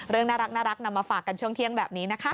เรื่องน่ารักนำมาฝากกันช่วงเที่ยงแบบนี้นะคะ